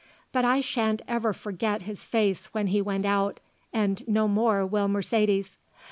But I shan't ever forget his face when he went out, and no more will Mercedes.